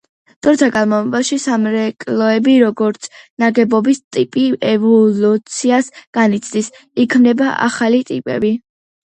დროთა განმავლობაში სამრეკლოები, როგორც ნაგებობის ტიპი, ევოლუციას განიცდის, იქმნება ახალი ტიპები.